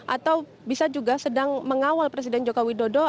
atau bisa juga sedang mengawal presiden jokowi dodo